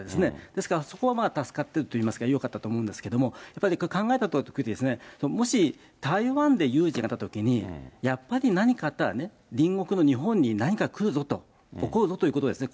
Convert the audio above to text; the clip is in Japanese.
ですからそこはまだ助かっているというか、よかったと思うんですけども、やっぱり考えたときに、もし台湾で有事があったときに、やっぱり何かあったらね、隣国の日本に何かくるぞと、起こるぞということですね。